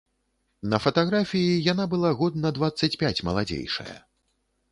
На фатаграфіі яна была год на дваццаць пяць маладзейшая.